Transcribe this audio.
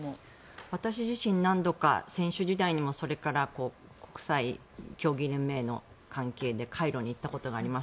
私自身、何度か選手時代にもそれから国際競技連盟の関係でカイロに行ったことがあります。